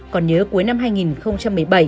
còn nhớ cuối năm hai nghìn một mươi bảy